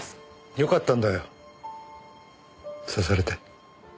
よかったんだよ刺されて。